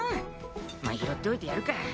まあ拾っておいてやるか。